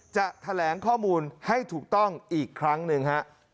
จะแถลงข้อมูลให้ถูกต้องอีกครั้งหนึ่งฮะ